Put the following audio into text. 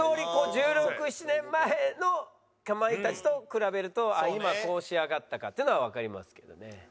１６１７年前のかまいたちと比べると今こう仕上がったかっていうのはわかりますけどね。